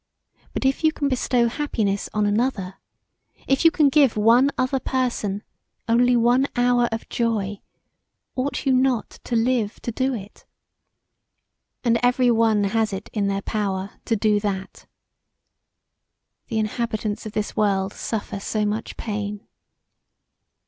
But if you can bestow happiness on another; if you can give one other person only one hour of joy ought you not to live to do it? And every one has it in their power to do that. The inhabitants of this world suffer so much pain.